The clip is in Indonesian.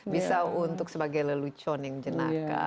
bisa untuk sebagai lelucon yang jenaka